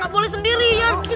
gak boleh sendiri